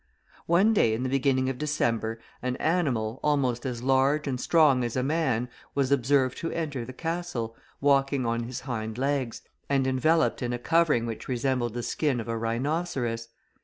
One day in the beginning of December, an animal, almost as large and strong as a man, was observed to enter the castle, walking on his hind legs, and enveloped in a covering which resembled the skin of a rhinoceros.